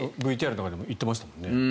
ＶＴＲの中でも言っていましたよね。